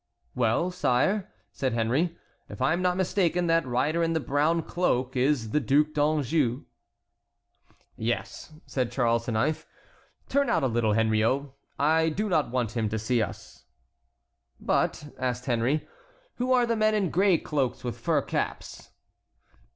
"Well, sire," said Henry, "if I am not mistaken, that rider in the brown cloak is the Duc d'Anjou." "Yes," said Charles IX. "Turn out a little, Henriot, I do not want him to see us." "But," asked Henry, "who are the men in gray cloaks with fur caps?"